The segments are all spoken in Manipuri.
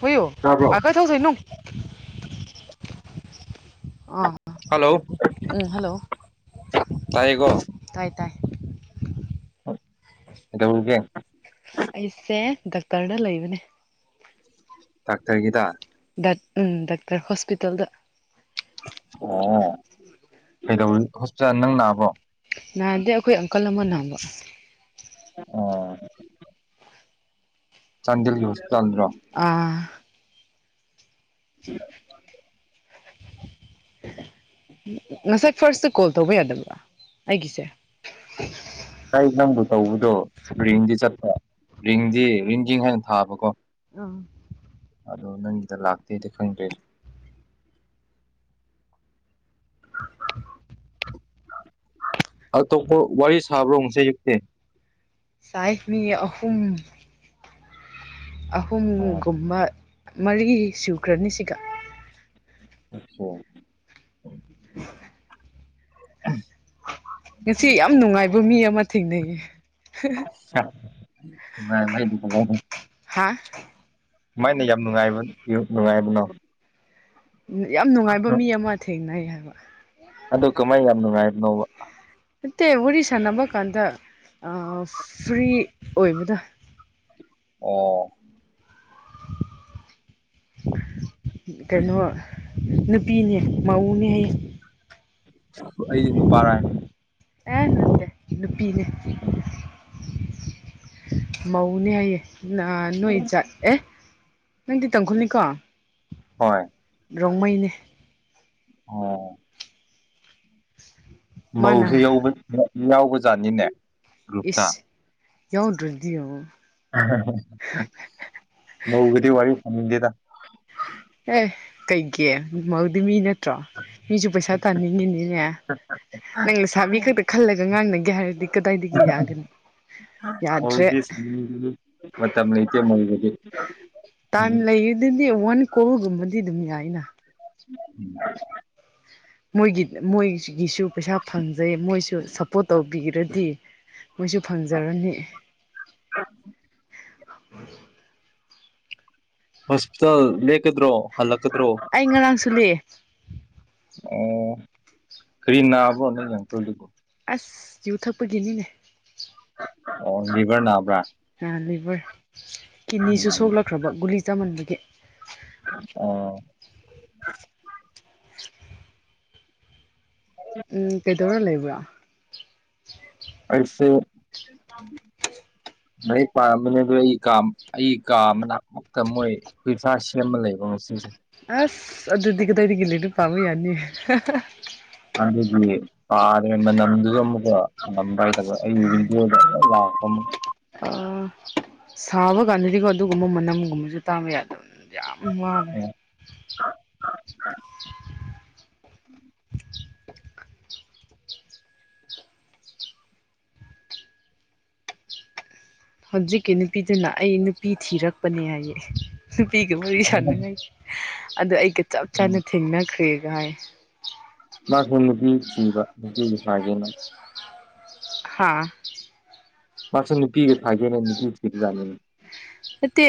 ꯍꯧꯣꯏꯌꯣ ꯇꯥꯕ꯭ꯔꯣ ꯑ ꯀꯥꯏ ꯊꯧꯁꯤ ꯅꯅꯨꯡ ꯑ ꯍꯜꯂꯣ ꯎꯝ ꯍꯜꯂꯣ ꯇꯥꯏꯌꯦꯀꯣ ꯇꯥꯏ ꯇꯥꯏ ꯗ ꯍꯧꯜꯒꯦ ꯑꯩꯁꯦ ꯗꯥꯛꯇꯔꯅ ꯂꯩꯕꯅꯦ ꯇꯥꯛꯇꯔꯒꯤꯗ ꯎꯝ ꯗꯥꯛꯇꯔ ꯍꯣꯁꯄꯤꯇꯥꯜꯗ ꯑꯣ ꯀꯩꯗꯧ ꯍꯣꯄꯤꯜ ꯅꯪ ꯅꯥꯕꯣ ꯅꯥꯗꯦ ꯑꯩꯈꯣꯏ ꯑꯪꯀꯜ ꯑꯃ ꯅꯥꯕ ꯑꯣ ꯆꯥꯟꯗꯦꯜꯒꯤꯣꯁ ꯑꯥ ꯎꯝ ꯉꯁꯥꯏ ꯐꯥꯔꯁꯇ ꯀꯣꯜ ꯇꯧꯕ ꯌꯥꯗꯕ꯭ꯔꯥ ꯑꯩꯒꯤꯁꯦ ꯑꯩ ꯅꯪꯕꯨ ꯇꯧꯕꯗꯣ ꯔꯤꯡꯗꯤ ꯆꯠꯄ ꯔꯤꯡꯗꯤ ꯔꯤꯡꯖꯤꯡ ꯍꯥꯏꯅ ꯊꯥꯕꯀꯣ ꯑꯥ ꯑꯗꯣ ꯅꯪꯒꯤꯗ ꯂꯥꯛꯇꯦꯗꯤ ꯈꯪꯗꯦ ꯑꯇꯣꯞꯄ ꯋꯥꯔꯤ ꯁꯥꯕ꯭ꯔꯣ ꯉꯁ ꯌꯦꯛꯇꯦ ꯁꯥꯏꯅꯤ ꯑꯍꯨꯝ ꯑꯣ ꯑꯍꯨꯝꯒꯨꯝꯕ ꯃꯔꯤ ꯁꯨꯈ꯭ꯔꯅꯤ ꯁꯤꯒ ꯑꯆꯥ [inaudible] ꯎꯝ ꯉꯁꯤ ꯌꯥꯝ ꯅꯨꯡꯉꯥꯏꯕ ꯃꯤ ꯑꯃ ꯊꯦꯡꯅꯩꯌꯦ ꯥ [unintelligible] [inaudible] ꯃꯥꯏꯅ ꯌꯥꯝ ꯅꯨꯡꯉꯥꯏꯕ ꯅꯨꯡꯉꯥꯏꯕꯅꯣ ꯌꯥꯝ ꯅꯨꯡꯉꯥꯏꯕ ꯃꯤ ꯑꯃ ꯊꯦꯡꯅꯩ ꯍꯥꯏꯕ ꯑꯗꯨ ꯀꯃꯥꯏ ꯌꯥꯝ ꯅꯨꯡꯉꯥꯏꯕꯅꯣꯕ ꯅꯠꯇꯦ ꯋꯥꯔꯤ ꯁꯥꯟꯅꯕ ꯀꯥꯟꯗ ꯐ꯭ꯔꯤ ꯑꯣꯏꯕꯗ ꯑꯣ ꯀꯥꯏꯅ ꯅꯨꯄꯤꯅꯦ ꯃꯎꯅꯦ ꯍꯥꯏꯌꯦ ꯑꯩꯗꯤ ꯅꯨꯄꯥꯔꯅꯤ ꯑꯦ ꯂꯠꯇꯦ ꯅꯨꯄꯤꯤ ꯅꯨꯄꯤ ꯃꯧꯅꯦ ꯍꯥꯏꯌꯦ ꯅꯣꯏꯖꯠ ꯑꯦ ꯅꯪꯗꯤ ꯇꯪꯈꯨꯜꯅꯤꯀꯣ ꯍꯣꯏ ꯔꯣꯡꯃꯩꯅꯤ ꯑꯣ ꯃꯥꯅ ꯃꯧꯁ ꯌꯥꯎꯕ ꯖꯥꯠꯅꯤꯅꯦ ꯒ꯭ꯔꯨꯞꯇ ꯏꯁ ꯌꯥꯎꯗ꯭ꯔꯗꯤ ꯃꯧꯒꯗꯤ ꯋꯥꯔꯤꯏ ꯁꯥꯅꯤꯡꯗꯦꯗꯥ ꯑꯦ ꯀꯩꯒꯤꯌꯥ ꯃꯧꯗꯨ ꯃꯤꯅꯠ ꯠꯇꯣ ꯃꯤꯁꯨ ꯄꯩꯁꯥ ꯇꯥꯅꯤꯡꯉꯤꯅꯤꯅꯦ ꯅꯪꯅ ꯁꯥꯕꯤ ꯈꯛꯇ ꯈꯜꯂꯒ ꯉꯥꯡꯅꯥ ꯑꯣ ꯌꯥꯗ꯭ꯔꯦ ꯃ ꯅꯇꯦ ꯃꯒ ꯎꯝ ꯇꯥꯏꯝ ꯂꯩꯗꯗꯤ ꯋꯥꯟ ꯀꯣꯔꯒꯨꯝꯕꯗꯤ ꯑꯗꯨꯝ ꯌꯥꯏꯅ [inaudible] ꯃꯣꯏꯒꯤ ꯃꯣꯏꯒꯤꯁꯨ ꯄꯩꯁꯥ ꯐꯪꯖꯩ ꯃꯣꯏꯁꯨ ꯁꯞꯄꯣꯔꯠ ꯇꯧꯕꯤꯈ꯭ꯔꯗꯤ ꯃꯣꯏꯁꯨ ꯐꯪꯖꯔꯅꯤ ꯍꯣꯁꯄꯤꯇꯥꯜ ꯂꯗ꯭ꯔꯣ ꯍꯜꯛ ꯑꯩ ꯉꯔꯥꯡꯁꯨ ꯂꯩꯑꯦ ꯑꯣ ꯈꯔꯤ ꯅꯥꯕꯣꯅꯤ ꯌꯦꯪ ꯀꯜꯗꯨꯕꯨꯣ ꯑꯁ ꯌꯨ ꯊꯛꯄꯒꯤꯅꯤꯅꯦ ꯑꯣ ꯔꯤꯕ꯭ꯔ ꯅꯥꯕ꯭ꯔꯥ ꯑ ꯂꯤꯚꯔ ꯀꯤꯠꯅꯤꯁꯨ ꯎꯝ ꯁꯣꯛꯂꯛꯈ꯭ꯔꯕ ꯒꯨꯂꯤ ꯆꯃꯟꯕꯒꯤ ꯑꯣ ꯎꯝ ꯀꯦꯗꯧꯔ ꯂꯩꯕ꯭ꯔ ꯑꯩꯁꯦ ꯃ ꯄꯥꯔꯝꯕꯅꯤ ꯑꯗꯨ ꯑꯩꯥ ꯑꯩ ꯀꯥ ꯃꯅꯥꯛꯃꯛꯇ ꯃꯣꯏ ꯍꯨꯏꯐꯥ ꯁꯦꯝꯃ ꯂꯩ ꯑꯦ [inaudible] ꯑꯁ ꯑꯗꯨꯗꯤ ꯀꯗꯥꯢꯗꯒꯤ ꯂꯥꯏꯔꯤꯛ ꯄꯥꯕꯥ ꯌꯥꯅꯤ ꯑꯗꯨꯗꯤ ꯄꯥꯗꯦ ꯃꯅꯝꯗꯨꯁꯨ ꯑꯃꯨꯛꯀ ꯅꯝꯕ ꯍꯥꯏꯇꯥ ꯑꯨ ꯂꯑꯣ [inaudible] [inaudible] ꯑ ꯁꯥꯕ ꯀꯥꯟꯗꯗꯤꯀꯣ ꯑꯗꯨꯒꯨꯝꯕ ꯃꯅꯝꯒꯨꯝꯕꯁꯨ ꯇꯥꯕ ꯌꯥꯗꯝꯅꯦ ꯌꯥꯝ ꯋꯥꯃꯦ ꯍꯧꯖꯤꯛꯀꯤ ꯅꯨꯄꯤꯗꯨꯅ ꯑꯩ ꯅꯨꯄꯤ ꯊꯤꯔꯛꯄꯅꯦ ꯍꯥꯏꯌꯦ ꯅꯨꯄꯤꯒ ꯋꯥꯔꯤ ꯁꯥꯟꯅꯉꯩ ꯑꯗꯣ ꯑꯩꯒ ꯆꯞ ꯆꯥꯅ ꯊꯦꯡꯅꯈ꯭ꯔꯦꯒꯥꯏ ꯃꯥꯁꯨ ꯅꯨꯄꯤ ꯊꯤꯕ ꯅꯨꯄꯤꯒꯤ ꯐꯥꯒꯦꯅ ꯍꯥꯥ ꯃꯥꯁꯦ ꯅꯨꯄꯤꯒ ꯊꯥꯏꯒꯦꯅꯦ ꯅꯨꯄꯤ ꯀꯤꯕꯖꯠꯅꯦ ꯅꯠꯇꯦ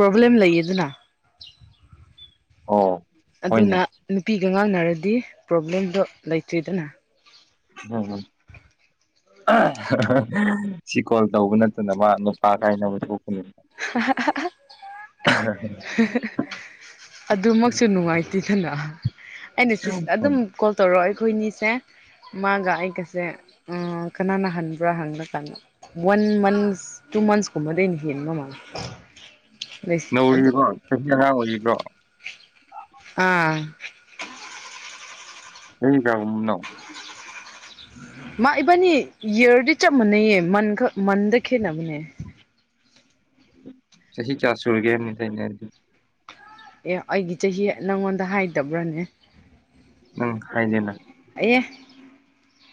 ꯄ꯭ꯔꯣꯕ꯭ꯂꯦꯝ ꯂꯩꯌꯦ ꯑꯗꯨꯅ ꯑꯣ ꯑꯗꯨꯅ ꯍꯣꯏꯅꯦ ꯅꯨꯄꯤꯒ ꯉꯥꯡꯅꯔꯗꯤ ꯄ꯭ꯔꯣꯕ꯭ꯂꯦꯝꯗꯣ ꯂꯩꯇ꯭ꯔꯤꯗꯅ ꯎꯝ ꯁꯤ ꯀꯣꯜ ꯇꯧꯕ ꯅꯠꯇꯅ ꯃꯥ ꯅꯨꯄꯥ ꯀꯥꯏꯅꯕ ꯊꯣꯛꯄꯅꯦ ꯑꯗꯨꯃꯛꯁꯨ ꯅꯨꯡꯉꯥꯏꯇꯦ ꯑꯗꯨꯅ ꯑꯩꯅ ꯑꯗꯨꯝ ꯀꯣꯜ ꯇꯧꯔꯛꯑꯣ ꯑꯩꯈꯣꯏꯅꯤꯁꯦ ꯃꯥꯒ ꯑꯩꯒꯁꯦ ꯀꯅꯥꯅ ꯍꯟꯕ꯭ꯔꯥ ꯍꯪꯕ ꯆꯪꯉꯣ ꯋꯥꯟ ꯃꯟ ꯇꯨ ꯃꯥꯟꯁ ꯀꯨꯝꯕꯗꯤ ꯍꯦꯟꯕ ꯃꯥꯜꯂꯦ ꯑꯗꯨ ꯅꯧꯔꯤꯕꯣ ꯆꯍꯤ ꯇꯔꯥ ꯑꯣꯏꯔꯤꯕ꯭ꯔꯣ ꯑꯥ ꯍꯣ [inaudible] [inaudible] [unintelligible] ꯃꯥ ꯏꯕꯥꯅꯤ ꯏꯌꯔꯗꯤ ꯆꯞ ꯃꯥꯟꯅꯩꯌꯦ ꯃꯟ ꯈꯛ ꯃꯟꯗ ꯈꯦꯠꯅꯕꯅꯦ ꯆꯍꯤ ꯀꯌꯥ ꯁꯨꯔꯒꯦ ꯍꯥꯏꯕꯅꯦ ꯑꯩꯅꯥ ꯍꯥꯏꯗꯤ ꯑꯦ ꯑꯩꯒꯤ ꯆꯍꯤ ꯅꯪꯉꯣꯟꯗ ꯍꯥꯏꯗꯕ꯭ꯔꯥꯅꯦ ꯅꯪ ꯍꯥꯏꯗꯦꯅ ꯑꯦ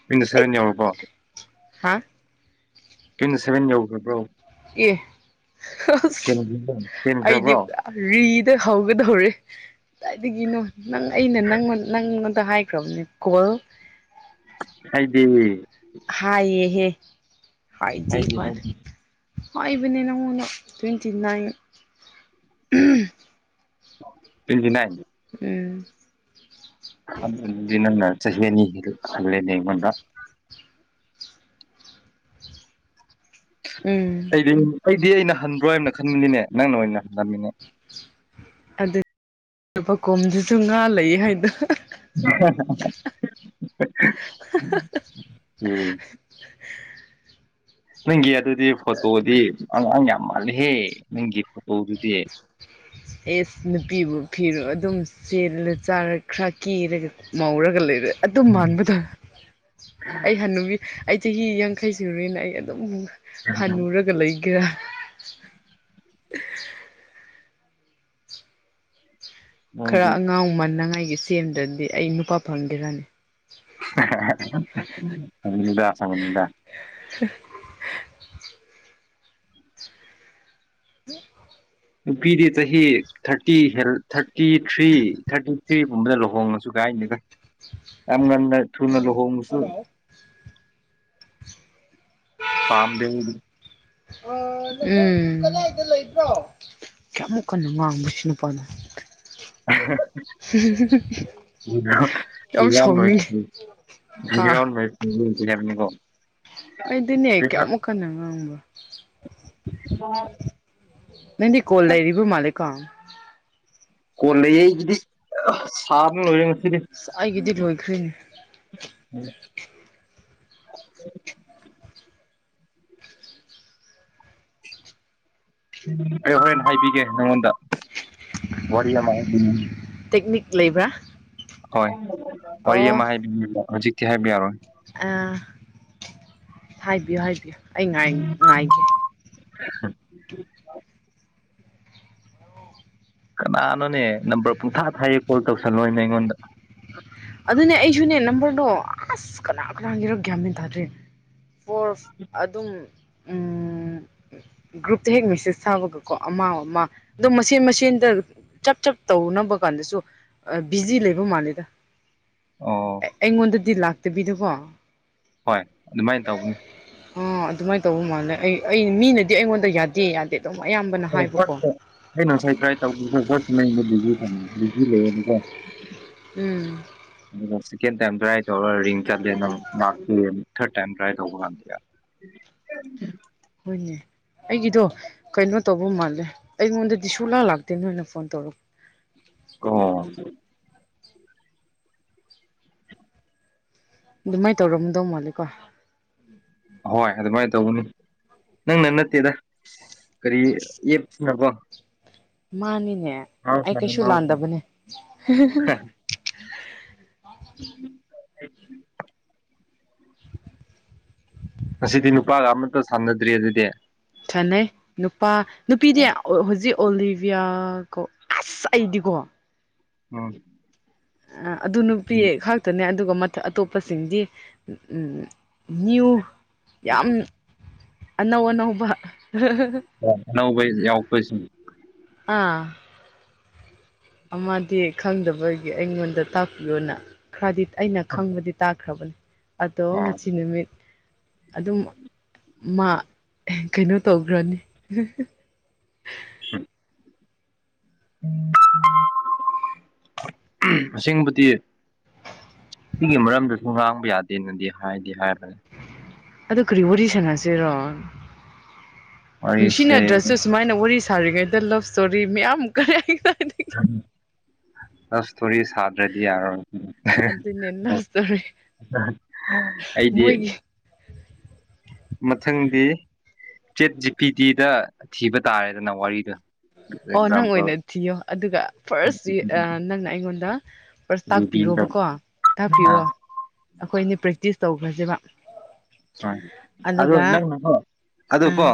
ꯃꯤꯅ ꯁꯕꯦꯟ ꯌꯥꯎꯕꯀꯣ ꯍꯥꯥ ꯇ꯭ꯋꯦꯟꯇ ꯁꯚꯦꯟ ꯌꯎꯈ꯭ꯔꯕ꯭ꯔꯣ ꯑꯁ ꯑꯩꯗꯤ ꯍꯦꯟꯈ꯭ꯔꯕ꯭ꯔꯣ ꯄꯨꯔꯥ ꯍꯧꯒꯗꯧꯔꯦ ꯀꯗꯥꯏꯗꯒꯤꯅꯣ ꯅꯪ ꯑꯩꯅ ꯅꯪ ꯅꯪ ꯍꯥꯏꯈ꯭ꯔꯕꯅꯦ ꯀꯣꯜ ꯍꯥꯏꯗꯦ ꯍꯥꯏ ꯌꯦꯍꯦ ꯍꯥꯏꯗꯦ ꯍꯥꯏꯗꯤ ꯀꯥꯏꯅ ꯍꯥꯏꯗꯤ ꯍꯥꯏꯕꯅꯦ ꯅꯪꯉꯣꯡꯗ ꯇ꯭ꯋꯦꯟꯇꯤ ꯅꯥꯏꯟ ꯇꯣꯢꯇꯤꯅꯥꯜꯁ ꯎꯝ ꯗꯤ ꯅ ꯆꯍꯤꯅꯤ ꯑꯜꯂꯦꯅꯦꯃꯅ ꯎꯝ ꯑꯩꯗꯤ ꯑꯩꯗꯤ ꯑꯩꯅ ꯍꯟꯕ꯭ꯔꯣꯅ ꯈꯟꯃꯤꯅꯤꯅꯦ ꯅꯪꯅ ꯑꯣꯏꯅ ꯍꯟꯍꯟꯃꯤꯅꯦ ꯑꯗꯨ ꯂꯨꯄꯥ ꯀꯣꯝꯗꯨꯁꯨ ꯉꯥ ꯂꯩ ꯍꯥꯏꯗꯅ ꯎꯝ [unintelligible] ꯅꯪꯒꯤ ꯑꯗꯨꯗꯤ ꯐꯣꯇꯣꯗꯤ ꯑꯪꯥꯎ ꯌꯥꯝ ꯃꯥꯜꯂꯦꯍꯦ ꯅꯪꯒꯤ ꯐꯣꯇꯣꯗꯨꯗꯤ ꯑꯦꯁ ꯅꯨꯄꯤꯕꯨ ꯐꯤꯔꯣ ꯑꯗꯨꯝ ꯆꯦꯜꯂ ꯆꯥꯔ ꯈ꯭ꯔ ꯀꯦꯔꯒ ꯉꯧꯔꯒ ꯂꯩꯔꯦ ꯑꯗꯨꯝ ꯃꯥꯟꯕꯗ ꯑꯩ ꯍꯟ ꯅꯨꯨꯕꯤ ꯑꯩ ꯆꯍꯤ ꯌꯥꯡꯈꯩ ꯁꯨꯔꯦꯅ ꯑꯩ ꯑꯗꯨꯝ ꯍꯟꯅꯨꯔꯒ ꯂꯩꯒꯦꯔꯥ [unintelligible] ꯈꯔ ꯅꯪꯗꯤ ꯑꯉꯥꯡ ꯃꯟꯅꯉꯥꯏꯒꯤ ꯁꯦꯝꯗ꯭ꯔꯗꯤ ꯑꯩ ꯅꯨꯄꯥ ꯐꯪꯗꯦꯔꯥꯅꯤ ꯗ ꯆꯉꯗ ꯅꯨꯄꯤꯗꯤ ꯆꯍꯤ ꯊꯥꯔꯇꯤ ꯍ ꯊꯥꯔꯇꯤ ꯊ꯭ꯔꯤ ꯊꯥꯔꯇꯤ ꯁꯤꯒꯨꯝꯕꯗ ꯂꯨꯍꯣꯡꯉꯁꯨ ꯀꯥꯏꯅꯤꯒ ꯌꯥꯝ ꯉꯟꯅ ꯊꯨꯅ ꯂꯨꯍꯣꯡꯉꯁꯨ ꯄꯝꯗꯦ ꯑꯣ ꯎ ꯀꯗꯥꯗ ꯂꯩꯕ꯭ꯔꯣ ꯀꯌꯥꯃꯃꯛ ꯀꯅꯨꯡꯉ ꯨꯁꯅꯨꯄꯥꯗ [unintelligible] ꯌꯥꯝ ꯁꯥꯎꯅꯤꯡꯉꯤ ꯏꯔꯩ ꯍꯥ ꯏꯔ ꯃꯩ ꯍꯔꯞꯅꯤꯀꯣ ꯑꯩꯗꯤꯅꯦ ꯀꯦꯃꯛ ꯀꯅꯝꯕ ꯅꯗꯤ ꯀꯣꯜꯂꯔꯤꯕꯔꯤꯕ ꯃꯥꯂ ꯀꯣ ꯀꯂꯖꯩꯗꯤ ꯁꯥꯔ ꯂꯣꯏ ꯑꯁ ꯑꯩꯒꯤꯗꯤ ꯂꯣꯏꯈ꯭ꯔꯤꯅꯦ ꯎꯝ [unintelligible] ꯑꯩ ꯍꯣꯔꯦꯟ ꯍꯥꯏꯕꯤꯒꯦ ꯅꯉꯣꯟꯗ ꯋꯥꯔꯤ ꯑꯃ ꯍꯥꯏꯕꯤꯅꯤꯡ ꯇꯦꯛꯅꯤꯛ ꯂꯩꯕ꯭ꯔꯥ ꯍꯣꯏ ꯋꯥꯔꯤ ꯑꯃ ꯍꯥꯏꯕꯤꯕ ꯍꯧꯖꯤꯛꯇꯤ ꯍꯥꯏꯕ ꯌꯥꯔꯣꯏ ꯑ ꯍꯥꯏꯕꯤꯌꯨ ꯍꯥꯏꯕꯤꯌꯨ ꯑꯩ ꯉꯥꯏꯒꯦ ꯎ ꯀꯅꯥꯅꯣꯅꯦ ꯅꯝꯕꯔ ꯄꯨꯡꯊꯥ ꯊꯥꯏꯌꯦꯦ ꯀꯣꯜ ꯇꯧꯁꯜꯂꯣꯏꯅꯦ ꯑꯩꯉꯣꯟꯗ ꯑꯗꯨꯅꯦ ꯑꯩꯁꯨꯅꯦ ꯅꯝꯕꯔꯗꯣ ꯑꯁ ꯀꯅꯥ ꯀꯅꯥꯒꯤꯔꯛꯒꯦꯃꯦꯟ ꯇꯥꯗ꯭꯭ꯔꯔꯤ ꯐꯣꯔ ꯑꯗꯨꯝ ꯎ ꯒ꯭ꯔꯨꯞꯇ ꯍꯦꯛ ꯃꯦꯁꯦꯁ ꯊꯥꯕꯒꯀꯣ ꯑꯃꯥꯎ ꯑꯃ ꯑꯗꯨꯝ ꯃꯁꯟ ꯃꯁꯟ ꯇ ꯆꯞ ꯆꯞ ꯇꯧꯅꯕ ꯀꯥꯟꯗꯁꯨ ꯕꯤꯖꯤ ꯂꯩꯕ ꯃꯥꯜꯂꯦꯗ ꯑꯣ ꯑꯩꯉꯣꯟꯗꯗꯤ ꯂꯥꯛꯇꯕꯤꯗꯀꯣ ꯍꯣꯏ ꯑꯗꯨꯃꯥꯏꯅ ꯇꯧꯕꯅꯤ ꯑꯥ ꯑꯗꯨꯃꯥꯏꯅ ꯇꯧꯕ ꯃꯥꯜꯂꯦ ꯑꯩ ꯑꯩ ꯃꯤꯅꯗꯤ ꯑꯩꯉꯣꯟꯗ ꯌꯥꯗꯦ ꯌꯥꯗꯦ ꯑꯗꯨꯝ ꯑꯌꯥꯝꯕꯅ ꯍ ꯍꯥꯏꯕꯀꯣ ꯑꯩꯅ ꯉꯁꯥꯏ ꯇ꯭ꯔꯥꯏ ꯇꯧꯗꯁꯦꯠꯁ ꯅ ꯃꯨꯝ ꯂꯩꯗ ꯎꯝ ꯁꯦꯀꯦꯟ ꯇꯥꯏꯝ ꯇ꯭ꯔꯥꯏ ꯇꯧꯔꯒ ꯔꯤꯡ ꯆꯠꯂꯦ ꯅ ꯂ ꯊꯥꯔꯠ ꯇꯥꯏꯝ ꯇ꯭ꯔꯥꯏ ꯇꯧꯕ ꯉꯝꯗꯦꯔ [unintelligible] ꯍꯅꯦ ꯑꯩꯒꯤꯗꯣ ꯀꯩꯅꯣ ꯇꯧꯕ ꯃꯥꯜꯂꯦ ꯑꯩꯉꯣꯟꯗꯗꯤ ꯁꯨꯂꯥ ꯂꯥꯛꯇꯦ ꯅꯣꯏꯅ ꯐꯣꯟ ꯇꯧꯔꯛꯄ ꯑꯣ ꯑꯗꯨꯃꯥꯏꯅ ꯇꯧꯔꯝꯗꯧ ꯃꯥꯜꯂꯦꯀꯣ ꯍꯣꯏ ꯑꯗꯨꯃꯥꯏꯅ ꯇꯧꯕꯅꯤ ꯅꯪꯅ ꯅꯠꯇꯦꯗ ꯀꯔꯤ ꯑꯦꯞ ꯌꯥꯔꯕꯣ ꯃꯥꯅꯤꯅꯦ ꯑꯩ ꯀꯩꯁꯨ ꯃꯍꯧꯁꯥ ꯂꯥꯟꯗꯕꯅꯦ ꯎꯝ ꯉꯁꯤꯗꯤ ꯅꯨꯄꯥꯒ ꯑꯃꯇ ꯁꯥꯟꯅꯗ꯭ꯔꯤ ꯑꯗꯨꯗꯤ ꯈꯅꯩ ꯅꯨꯄꯥ ꯅꯨꯄꯤꯗꯤ ꯍꯧꯖꯤꯛ ꯑꯣꯂꯤꯕꯤꯌꯥ ꯀꯣ ꯑꯁ ꯑꯩꯗꯤꯀꯣ ꯎꯝ ꯑ ꯑꯗꯨ ꯅꯨꯄꯤ ꯈꯇꯅꯦ ꯑꯗꯨꯒ ꯃꯊ ꯑꯇꯣꯞꯄꯁꯤꯡꯗꯤ ꯅ꯭ꯌꯨ ꯌꯥꯝ ꯑꯅꯧ ꯑꯅꯧꯕ ꯑꯅꯧꯕ ꯌꯥꯎꯔꯛꯄꯁꯤꯡ [unintelligible] ꯑꯃꯗꯤ ꯈꯪꯗꯕꯒꯤ ꯑꯩꯉꯣꯟꯗ ꯇꯥꯛꯄꯤꯌꯣꯅ ꯈ꯭ꯔꯔꯗꯤꯠ ꯑꯩꯅ ꯈꯪꯕꯗꯤ ꯇꯥꯛꯈ꯭ꯔꯕꯅꯤ ꯑꯗꯣ ꯑꯣ ꯉꯁꯤ ꯅꯨꯃꯤꯠ ꯑꯗꯨꯝ ꯃꯥ ꯀꯩꯅꯣ ꯇꯧꯈ꯭ꯔꯅꯤ [unintelligible] ꯑꯁꯦꯡꯕꯗꯤ ꯁꯤꯒꯤ ꯃꯔꯝꯗꯨꯁꯨ ꯉꯥꯡꯕ ꯌꯥꯗꯦꯅꯗꯤ ꯍꯥꯏꯗꯤ ꯍꯥꯏꯕꯅꯦ ꯑꯗꯨ ꯀꯔꯤ ꯋꯥꯔꯤ ꯁꯥꯟꯅꯁꯤꯔꯣ ꯋꯥꯔꯤꯁꯦ ꯅꯨꯡꯁꯤꯅꯗ꯭ꯔꯁꯨ ꯁꯨꯃꯥꯏꯅ ꯋꯥꯔꯤ ꯁꯥꯔꯤꯉꯩꯗ ꯂꯞ ꯏꯁꯇꯣꯔꯤ ꯃꯌꯥꯝ ꯀꯔꯤ ꯑꯁ ꯏꯁꯣꯔꯤ ꯁꯥꯗ꯭ꯔꯗꯤ ꯌꯥꯔꯣꯏ ꯑꯗꯨꯅꯦ ꯂꯞ ꯏꯁꯇꯣꯔꯤ ꯑꯩꯗꯤ ꯃꯣꯏꯒꯤ ꯃꯊꯪꯗꯤ ꯆꯦꯠ ꯖꯤꯄꯤꯤ ꯇꯤꯗ ꯊꯤꯕ ꯇꯥꯔꯦꯗꯅ ꯋꯥꯔꯤꯗꯣ [unintelligible] ꯑꯣ ꯅꯪ ꯑꯣꯏꯅ ꯊꯤꯌꯣ ꯑꯗꯨꯒ ꯐꯥꯔꯁ ꯅꯪꯅ ꯑꯩꯉꯣꯟꯗ ꯐꯥꯔꯁ ꯇꯥꯛꯄꯤꯔꯣꯕꯀꯣ ꯇꯥꯛꯄꯤꯔꯣ ꯑꯥ ꯑꯩꯈꯣꯏ ꯑꯅꯦ ꯄ꯭ꯔꯦꯛꯇꯤꯁ ꯇꯧꯈ꯭ꯔꯁꯦꯕ ꯍꯣꯏ ꯑꯗꯣ ꯑꯗꯨꯒ ꯅꯪꯅꯣ ꯑꯗꯨ ꯑꯥ ꯀꯣ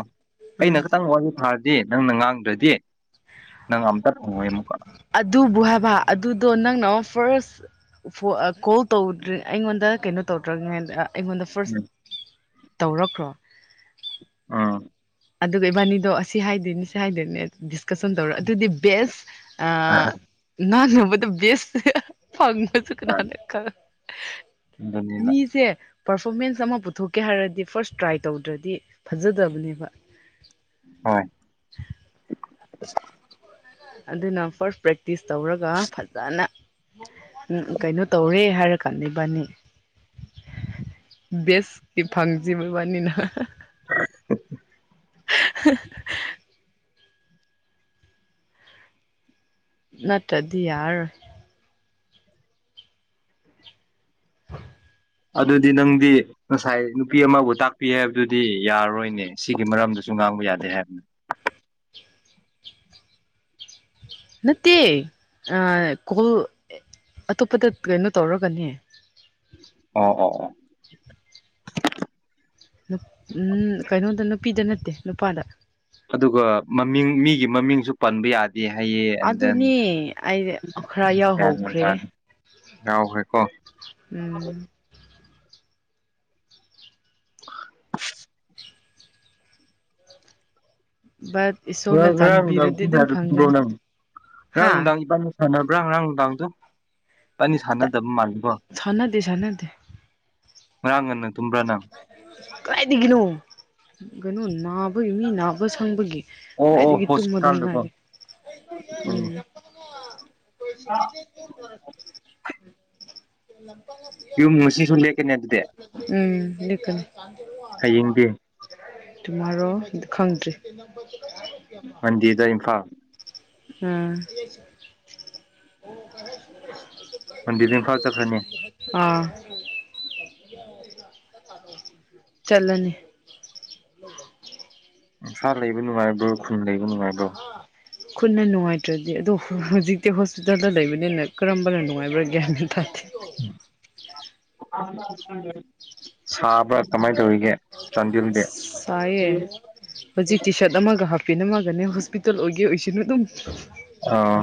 ꯑꯥ ꯑꯩꯅ ꯈꯤꯇꯪ ꯋꯥꯔꯤ ꯊꯥꯔꯒꯦ ꯅꯪꯅ ꯉꯥꯡꯗ꯭ꯔꯗꯤ ꯅꯪ ꯑꯝꯇ ꯐꯪꯉꯣꯏ ꯑꯃꯨꯛꯀ ꯑꯗꯨꯕꯨ ꯍꯥꯏꯕ ꯑꯗꯨꯗꯣ ꯅꯪꯅ ꯑꯃ ꯐꯥꯔꯁ ꯀꯣꯜ ꯇꯧꯗ꯭ꯔꯤ ꯑꯩꯉꯣꯟꯗ ꯀꯩꯅꯣ ꯇꯧꯗ꯭ꯔꯉ ꯑꯩꯉꯣꯟꯗ ꯐꯥꯔꯁ ꯎꯝ ꯇꯧꯔꯛꯈ꯭ꯔꯣ ꯎꯝ ꯑꯗꯨꯒ ꯏꯕꯥꯅꯤꯗꯣ ꯑꯁꯤ ꯍꯥꯏꯗꯣꯏꯅꯤ ꯁꯤ ꯍꯥꯏꯗꯣꯏꯅꯦ ꯀꯁꯨꯝ ꯇꯧꯔ ꯑꯗꯨꯗꯤ ꯕꯦꯁ ꯅꯥꯕꯗ ꯕꯦꯁ ꯐꯪꯕ ꯀꯅꯥꯗ ꯈꯪꯕ ꯑꯗꯨꯅꯦꯕ ꯃꯤꯁꯦ ꯄꯔꯐꯣꯔꯃꯦꯟꯁ ꯑꯃ ꯄꯨꯊꯣꯛꯀꯦ ꯍꯥꯏꯔꯗꯤ ꯐꯥꯔꯁ ꯇ꯭ꯔꯥꯏ ꯇꯧꯗ꯭ꯔꯗꯤ ꯐꯖꯗꯕꯅꯦꯕ ꯍꯣꯏ ꯑꯗꯨꯅ ꯐꯥꯔꯁ ꯄ꯭ꯔꯦꯛꯇꯤꯁ ꯇꯧꯔꯒ ꯐꯖꯅ ꯎꯝ ꯀꯩꯅꯣ ꯇꯧꯔꯦ ꯍꯥꯏꯔꯀꯥꯟꯅꯤ ꯏꯕꯥꯅꯤ [unintelligible] ꯕꯦꯁꯀꯤ ꯐꯪꯖꯕꯕꯥꯅꯤꯅ [unintelligible] [unintelligible] ꯅꯠꯇꯗꯤ ꯌꯥꯔꯑꯣꯏ ꯑꯗꯨꯗꯤ ꯅꯪꯗꯤ ꯉꯁꯥꯏ ꯅꯨꯄꯤ ꯑꯃꯕꯨ ꯇꯥꯛꯄꯤ ꯍꯥꯏꯕꯗꯨꯗꯤ ꯌꯥꯔꯔꯣꯏꯅꯦ ꯁꯤꯒꯤ ꯃꯔꯝꯗꯁꯨ ꯉꯥꯡꯕ ꯌꯥꯗꯦ ꯍꯥꯏꯕꯅꯦ ꯅꯥꯇꯦ ꯀꯜꯂ ꯑꯇꯣꯞꯄꯗ ꯀꯩꯅꯣ ꯇꯧꯔꯒꯅꯦ ꯑꯣ ꯑꯣ ꯑꯣ ꯎ ꯀꯩꯅꯣꯗ ꯅꯨꯄꯤꯗ ꯅꯠꯇꯦ ꯅꯨꯄꯥꯗ ꯑꯗꯨꯒ ꯃꯃꯤꯡ ꯃꯤꯒꯤ ꯃꯃꯤꯡꯁꯨ ꯄꯟꯕ ꯌꯥꯗꯦ ꯑꯦ ꯍꯥꯏꯌꯦ ꯑꯦꯟꯗꯟ ꯑꯗꯨꯅꯦ ꯑꯩ ꯈꯔ ꯀꯅꯨꯡ ꯌꯥꯎꯍꯧꯈ꯭ꯔꯦ ꯌꯥꯎ ꯍꯣꯏ ꯀꯣ ꯎꯝ ꯕꯠ ꯏꯁꯣꯔꯅ ꯎꯥꯡꯗ ꯀ ꯆꯥꯟꯕꯤꯔꯗꯤ ꯑꯗꯨꯝ ꯍꯥꯏ ꯊꯕꯣ ꯐꯪꯒꯅꯤ ꯍꯥ ꯅꯪꯗ ꯏꯕꯥ ꯁꯥꯟꯅꯕ꯭ꯔꯥ ꯉꯔꯥꯡ ꯅꯨꯡꯗꯥꯡꯗꯣ ꯀꯅꯤ ꯁꯥꯟꯅꯗꯕ ꯃꯥꯜꯂꯤꯦꯀꯣ ꯠꯇꯇꯩꯁꯅ ꯑꯗꯤ ꯉꯔꯥꯡ ꯉꯟꯅ ꯇꯨꯝꯕ꯭ꯔꯥ ꯅꯪ ꯀꯗꯥꯥꯏꯗꯒꯤꯅꯣ ꯀꯩꯅꯣ ꯅꯥꯕꯒꯤ ꯃꯤ ꯅꯥꯕ ꯁꯪꯕꯒꯤ ꯑꯣ ꯑꯣ ꯗꯒꯤ ꯇꯨꯝꯃ ꯑꯗꯨꯂꯦ ꯍꯣꯁꯄꯤꯇꯥꯜꯗꯀꯣ ꯎꯝ ꯀꯣꯏꯁꯤ ꯌ ꯃꯨꯁꯤꯂꯦꯅꯦꯠꯇꯗꯦ ꯀꯅꯤ ꯇꯨꯃꯥꯔꯣ ꯈꯪꯗ꯭ꯔꯤ ꯃꯟꯗꯤꯗ ꯏꯝꯐꯥꯜ ꯎꯝ ꯟꯗꯤꯕꯤꯡ ꯀꯥꯎ ꯆꯠꯈ꯭ꯔꯅꯤ ꯑꯥ [inaudible] ꯆꯂꯅꯦ ꯁꯥ ꯂꯩꯕ ꯅꯨꯡꯉꯥꯏꯕ꯭ꯔꯣ ꯈꯨꯟ ꯂꯩꯕ ꯅꯨꯡꯉꯥꯏꯕ꯭ꯔꯣ? ꯈꯨꯟꯅ ꯅꯨꯡꯉꯥꯏꯇ꯭ꯔꯗꯤ ꯑꯗꯣ ꯍꯧꯖꯤꯛꯇꯤ ꯍꯣꯁꯄꯤꯇꯥꯜꯗ ꯂꯩꯕꯅꯤꯅ ꯀꯔꯝꯕꯅ ꯅꯨꯡꯉꯥꯏꯕ꯭ꯔꯥ ꯒ꯭ꯌꯥꯟ ꯊꯠ ꯁꯥꯕ꯭ꯔ ꯀꯃꯥꯏꯅ ꯇꯧꯔꯤꯒꯦ ꯆꯥꯟꯗꯦꯜꯗꯤ? ꯁꯥꯏꯌꯦ ꯍꯧꯖꯤꯛ ꯇꯤ ꯁꯔꯠ ꯑꯃꯒ ꯍꯥꯞ ꯀꯅꯃꯥꯟꯒꯅꯦ ꯍꯣꯁꯄꯤꯇꯥꯜ ꯑꯣꯏꯒꯦ ꯑꯣꯏꯁꯤꯅꯨ ꯑꯗꯨꯝ ꯑꯣ